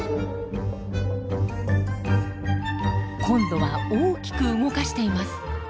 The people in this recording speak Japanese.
今度は大きく動かしています。